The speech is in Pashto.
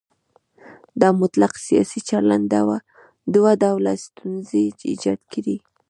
دا مطلق سیاسي چلن دوه ډوله ستونزې ایجاد کړي.